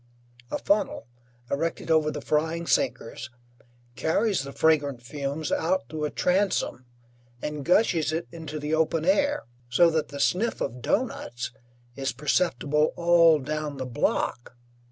A funnel, erected over the frying sinkers, carries the fragrant fumes out through a transom and gushes it into the open air, so that the sniff of doughnuts is perceptible all down the block.